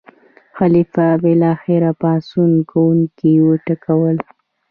خلیفه بالاخره پاڅون کوونکي وټکول.